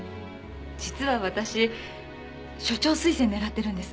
実は私署長推薦狙ってるんです。